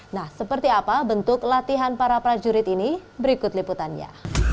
nah seperti apa bentuk latihan para prajurit ini berikut liputannya